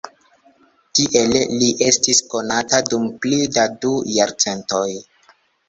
Tiele li estis konata dum pli da du jarcentoj.